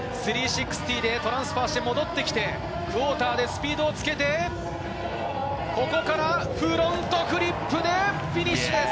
３６０でトランスファーして戻ってきて、クォーターでスピードをつけて、ここからフロントフリップでフィニッシュです。